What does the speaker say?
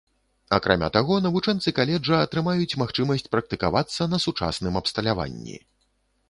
Акрамя таго, навучэнцы каледжа атрымаюць магчымасць практыкавацца на сучасным абсталяванні.